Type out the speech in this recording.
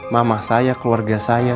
mama saya keluarga saya